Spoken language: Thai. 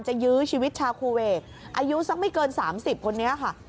ยื้อชีวิตชาคูเวกอายุสักไม่เกิน๓๐คนนี้ค่ะ